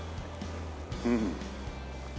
うん。